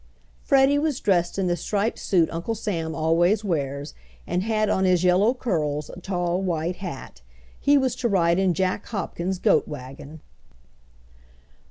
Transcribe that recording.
Freddie was dressed in the striped suit Uncle Sam always wears, and had on his yellow curls a tall white hat. He was to ride in Jack Hopkins' goat wagon.